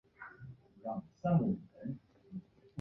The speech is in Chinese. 尖齿黄耆是豆科黄芪属的植物。